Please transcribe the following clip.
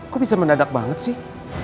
kok bisa mendadak banget sih